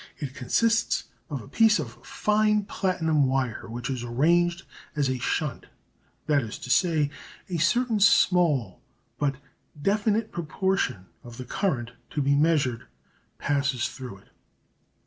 It consists of a piece of fine platinum wire which is arranged as a "shunt" that is to say, a certain small but definite proportion of the current to be measured passes through it.